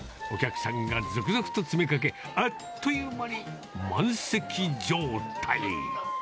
お客さんが続々と詰めかけ、あっという間に満席状態。